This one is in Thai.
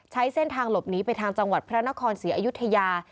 ใช้เส้นทางหลบหนีไปทางจังหวัดพระนครศรีอยุธยา